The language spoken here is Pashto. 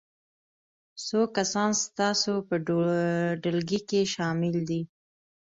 څو کسان ستاسو په ډلګي کې شامل دي؟